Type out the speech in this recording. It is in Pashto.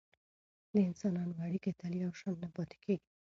د انسانانو اړیکې تل یو شان نه پاتې کیږي.